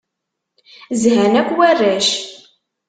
Zhan akk warrac.